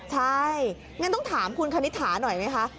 ใช่งั้นต้องถามคุณคณิตถาหน่อยไหมคะ